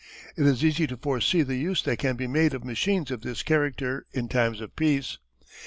It is easy to foresee the use that can be made of machines of this character in times of peace.